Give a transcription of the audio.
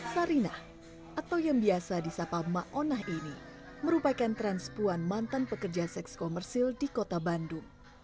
sarina atau yang biasa disapa ma'onah ini merupakan transpuan mantan pekerja seks komersil di kota bandung